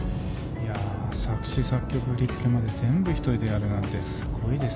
いや作詞作曲振り付けまで全部一人でやるなんてすごいですね。